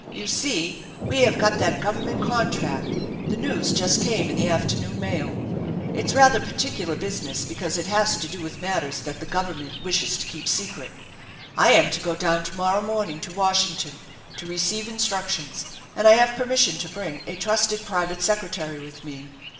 You see we have got that Govern ment contract. The news just came in the afternoon mail. It's rather particular business because it has to do with matters that the Government wishes to keep secret. I am to go down to morrow morning to Washington to receive in structions, and I have permission to bring a trusted private secretary with me.